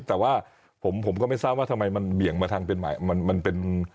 แต่ว่าผมก็ไม่ทราบว่าทำไมมันเหมียงมาทางเป็นมายมันเป็น